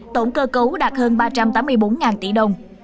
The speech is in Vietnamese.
tổng cơ cấu đạt hơn ba trăm tám mươi bốn tỷ đồng